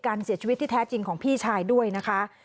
เสียชีวิตที่แท้จริงของพี่ชายด้วยนะคะ